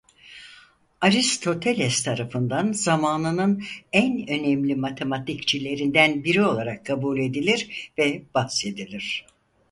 Aristoteles tarafından zamanının en önemli matematikçilerinden biri olarak kabul edilir ve bahsedilir.